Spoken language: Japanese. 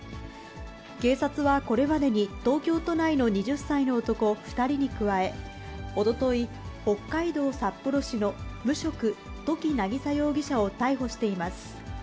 警察はこれまでに、東京都内の２０歳の男２人に加え、おととい、北海道札幌市の無職、土岐渚容疑者を逮捕しています。